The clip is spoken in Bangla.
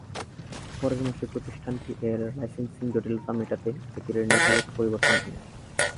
পরের মাসে প্রতিষ্ঠানটি এর লাইসেন্সিং জটিলতা মেটাতে এদের নীতিগত পরিবর্তন আনে।